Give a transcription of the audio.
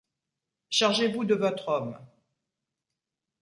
Chargez-vous de votre homme.